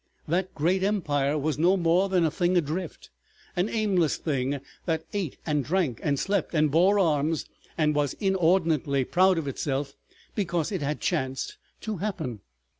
That great empire was no more than a thing adrift, an aimless thing that ate and drank and slept and bore arms, and was inordinately proud of itself because it had chanced to happen.